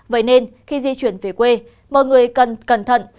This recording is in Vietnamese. vậy nên khi di chuyển về quê mọi người cần cẩn thận